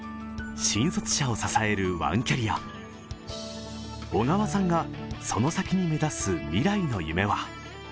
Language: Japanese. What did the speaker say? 新卒者を支えるワンキャリア小川さんがその先に目指す未来の夢は？